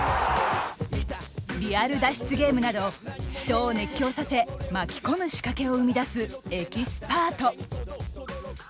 「リアル脱出ゲーム」など人を熱狂させ巻き込む仕掛けを生み出すエキスパート。